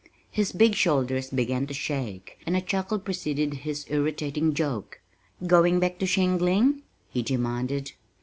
His big shoulders began to shake and a chuckle preceded his irritating joke "Going back to shingling?" he demanded.